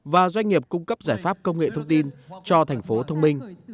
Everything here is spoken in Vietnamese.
và doanh nghiệp cung cấp giải pháp công nghệ thông tin cho thành phố thông minh